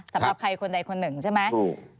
สำหรับใครคนใดคนหนึ่งใช่ไหม